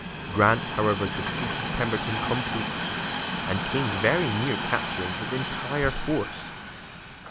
Grant, however, defeated Pemberton completely, and came very near capturing his entire force.